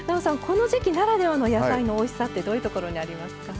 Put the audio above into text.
この時季ならではの野菜のおいしさってどういうところにありますか？